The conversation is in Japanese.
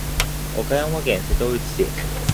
岡山県瀬戸内市